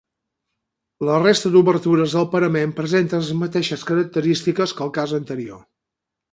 La resta d'obertures del parament presenten les mateixes característiques que el cas anterior.